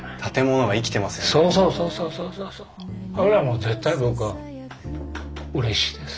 それはもう絶対僕はうれしいです。